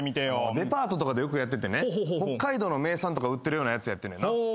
デパートとかでよくやっててね北海道の名産とか売ってるようなやつやって。